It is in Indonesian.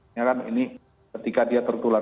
ini kan ini ketika dia tertular